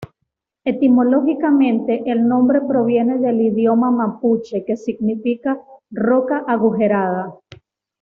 Etimológicamente, el nombre proviene del Idioma mapuche, que significa Roca Agujereada.